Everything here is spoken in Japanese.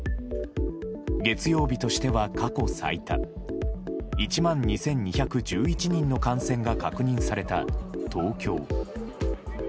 月曜日としては過去最多、１万２２１１人の感染が確認された東京。